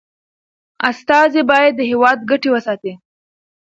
استازي باید د هیواد ګټي وساتي.